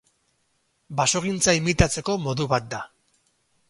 Basogintza imitatzeko modu bat da.